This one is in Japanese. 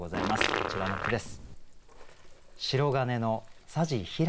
こちらの句です。